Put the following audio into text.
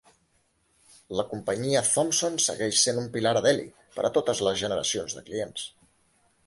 La Companyia Thomson segueix sent un pilar a Delhi per a totes les generacions de clients.